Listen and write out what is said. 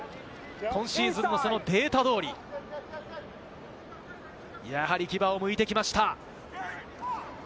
今シーズンのデータ通り、やはり牙を剥いてきました。